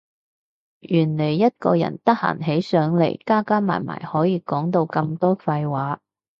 原來一個人得閒起上嚟加加埋埋可以講到咁多廢話